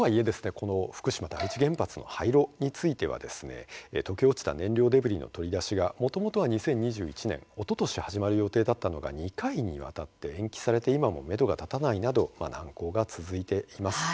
この福島第一原発の廃炉については溶け落ちた燃料デブリの取り出しがもともとは２０２１年おととし始まる予定だったのが２回にわたって延期されて今もめどが立たないなど難航が続いています。